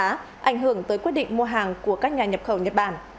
ảnh hưởng tới quyết định mua hàng của các nhà nhập khẩu nhật bản